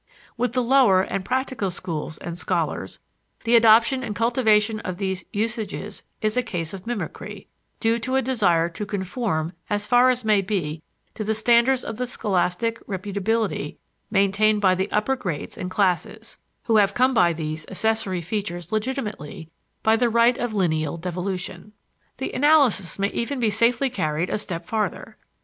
With the lower and practical schools and scholars, the adoption and cultivation of these usages is a case of mimicry due to a desire to conform as far as may be to the standards of scholastic reputability maintained by the upper grades and classes, who have come by these accessory features legitimately, by the right of lineal devolution. The analysis may even be safely carried a step farther.